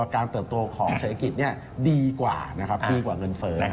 การเติบตัวของเศรษฐกิจดีกว่าเงินเฟิร์น